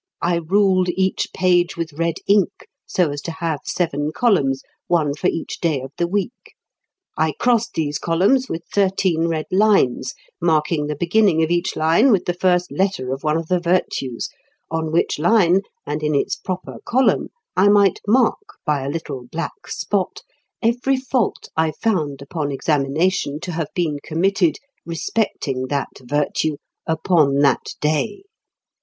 I ruled each page with red ink, so as to have seven columns, one for each day of the week.... I crossed these columns with thirteen red lines, marking the beginning of each line with the first letter of one of the virtues; on which line, and in its proper column, I might mark, by a little black spot, every fault I found upon examination to have been committed respecting that virtue, upon that day."